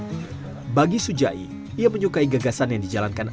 ketertarikan itu juga lah yang mengantarkan dirinya menerima undangan untuk melanjutkan studi